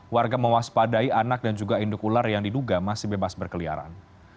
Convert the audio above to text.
warga mewaspadai anak dan juga induk ular yang diduga masih bebas berkeliaran